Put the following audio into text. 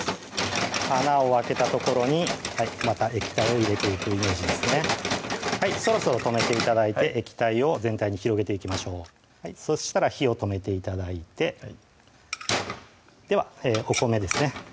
穴を開けた所にまた液体を入れていくイメージですねはいそろそろ止めて頂いて液体を全体に広げていきましょうそしたら火を止めて頂いてはいではお米ですね